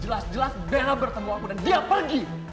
jelas jelas bella bertemu aku dan dia pergi